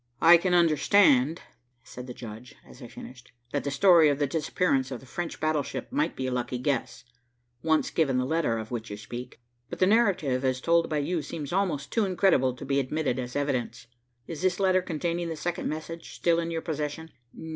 "I can understand," said the judge, as I finished, "that the story of the disappearance of the French battleship might be a lucky guess, once given the letter of which you speak, but the narrative as told by you seems almost too incredible to be admitted as evidence. Is this letter containing the second message still in your possession?"